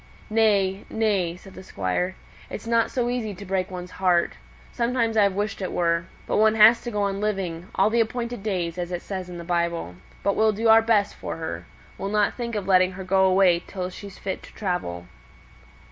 "Nay, nay!" said the Squire. "It's not so easy to break one's heart. Sometimes I've wished it were. But one has to go on living 'all the appointed days,' as it says in the Bible. But we'll do our best for her. We'll not think of letting her go away till she's fit to travel."